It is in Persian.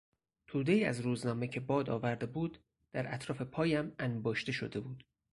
تودهای از روزنامه که باد آورده بود در اطراف پایم انباشته شده بود.